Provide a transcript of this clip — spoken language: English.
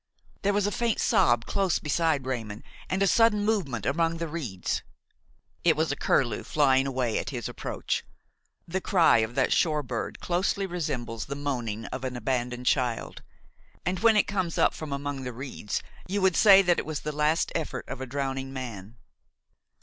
There was a faint sob close beside Raymon and a sudden movement among the reeds; it was a curlew flying away at his approach. The cry of that shore bird closely resembles the moaning of an abandoned child; and when it comes up from among the reeds you would say that it was the last effort of a drowning man.